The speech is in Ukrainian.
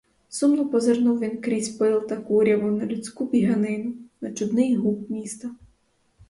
Сумно позирнув він крізь пил та куряву на людську біганину, на чудний гук міста.